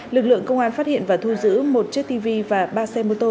lực lượng công an phát hiện và thu giữ một chiếc tivi và ba xe mô tô